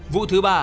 vụ thứ ba